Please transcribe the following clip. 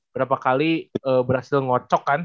berapa kali berhasil ngocok kan